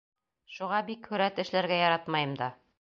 Шуға бик һүрәт эшләргә яратмайым да.